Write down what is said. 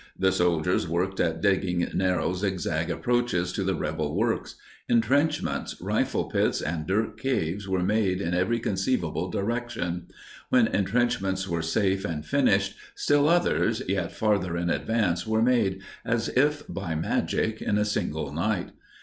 The soldiers worked at digging narrow, zigzag approaches to the rebel works. Entrenchments, rifle pits, and dirt caves were made in every conceivable direction. When entrenchments were safe and finished, still others, yet farther in advance were made, as if by magic, in a single night.